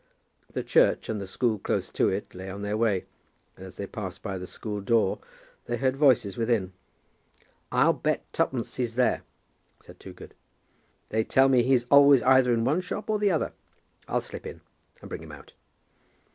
The church, and the school close to it, lay on their way, and as they passed by the school door they heard voices within. "I'll bet twopence he's there," said Toogood. "They tell me he's always either in one shop or the other. I'll slip in and bring him out."